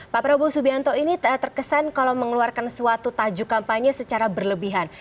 pak prabowo subianto ini terkesan kalau mengeluarkan suatu tajuk kampanye secara berlebihan